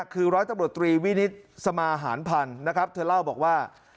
คือร้อยตำรวจตรีวินิตสมาหารพันธ์นะครับเธอเล่าบอกว่า